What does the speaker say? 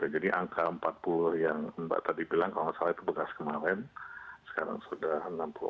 jadi angka empat puluh yang mbak tadi bilang kalau tidak salah itu bekas kemarin sekarang sudah enam puluh empat